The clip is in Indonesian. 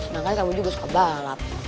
makanya kamu juga suka balap